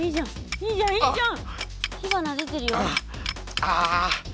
いいじゃんいいじゃん。